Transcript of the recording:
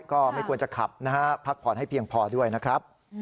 ก็ไม่ควรจะขับนะฮะพักผ่อนให้เพียงพอด้วยนะครับ